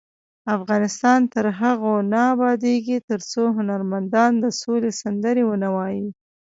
افغانستان تر هغو نه ابادیږي، ترڅو هنرمندان د سولې سندرې ونه وايي.